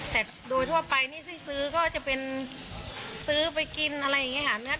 แต่โดยทั่วไปนี่ที่ซื้อก็จะเป็นซื้อไปกินอะไรอย่างนี้ค่ะ